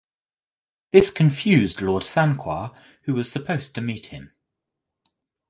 This confused Lord Sanquhar who was supposed to meet him.